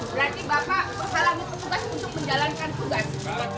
berarti bapak bersalah menutup tugas untuk menjalankan tugas